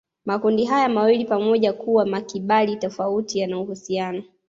Makundi haya mawili pamoja na kuwa makibali tofauti yana uhusiano